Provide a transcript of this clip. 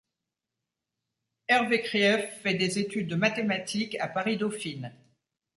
Hervé Krief fait des études de mathématiques à Paris-Dauphine.